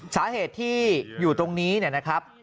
สาเหตุที่อยู่ตรงนี้นะครับ